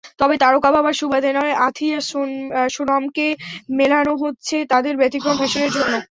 তবে তারকা বাবার সুবাদে নয়, আথিয়া-সোনমকে মেলানো হচ্ছে তাঁদের ব্যতিক্রম ফ্যাশনের জন্য।